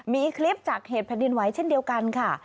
มีคลิปจากเหตุแผ่นดินไหวเช่นเดียวกันค่ะ